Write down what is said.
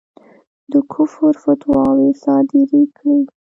د کُفر فتواوې صادري کړې.